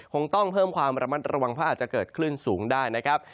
คงต้องเพิ่มความระมัดระวังเพราะอาจจะเกิดคลื่นสูงได้นะครับ